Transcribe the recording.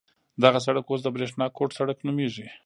دغه سړک اوس د برېښنا کوټ سړک نومېږي.